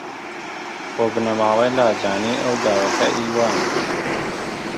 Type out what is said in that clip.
بۆ بنەماڵەی لاجانی ئەو داوەتە ئی وانە